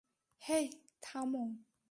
হেই, থামো।